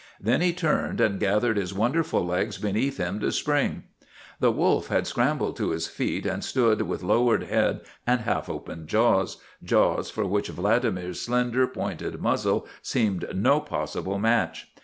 Then he turned and gathered his wonderful legs beneath him to spring. The wolf had scrambled to his feet, and stood with lowered head and half open jaws jaws for which Vladimir's slender, pointed muzzle seemed no possible match.